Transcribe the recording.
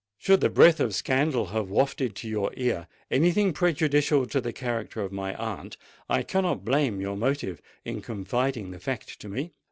"Should the breath of scandal have wafted to your ear anything prejudicial to the character of my aunt, I cannot blame your motive in confiding the fact to me.